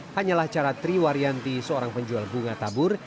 hanyalah cara triwaryanti seorang penjual bunga tabur